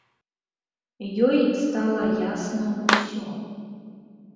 Ёй стала ясна ўсё.